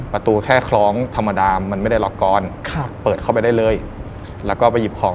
ประตูแค่คล้องธรรมดามันไม่ได้ล็อกกอนครับเปิดเข้าไปได้เลยแล้วก็ไปหยิบของ